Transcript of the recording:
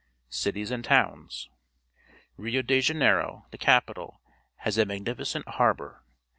Cities and Towns. — Rio de Janeiro, the capital, has a magnificent harbour.